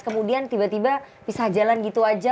kemudian tiba tiba pisah jalan gitu aja